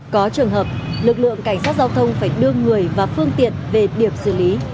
có trường hợp lực lượng cảnh sát giao thông phải đưa người và phương tiện về điểm xử lý